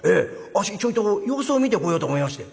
あっしちょいと様子を見てこようと思いまして」。